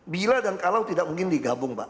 bila dan kalau tidak mungkin digabung pak